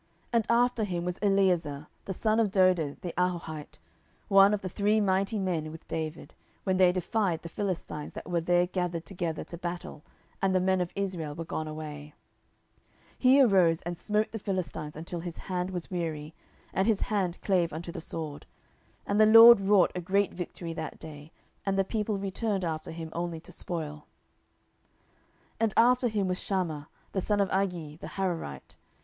10:023:009 And after him was Eleazar the son of Dodo the Ahohite, one of the three mighty men with David, when they defied the Philistines that were there gathered together to battle, and the men of Israel were gone away: 10:023:010 He arose, and smote the Philistines until his hand was weary, and his hand clave unto the sword: and the LORD wrought a great victory that day; and the people returned after him only to spoil. 10:023:011 And after him was Shammah the son of Agee the Hararite.